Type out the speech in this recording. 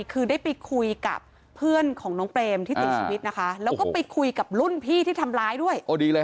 คือได้ไปคุยกับเพื่อนของน้องเปรมที่เสียชีวิตนะคะแล้วก็ไปคุยกับรุ่นพี่ที่ทำร้ายด้วย